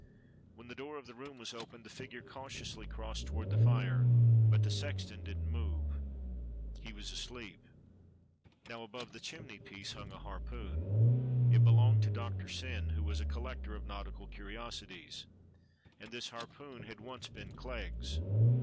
When the door of the room was opened the figure cautiously crossed toward the fire, but the sexton didn't move; he was asleep. Now above the chimney piece hung a harpoon; it belonged to Doctor Syn, who was a collector of nautical curiosities; and this harpoon had once been Clegg's.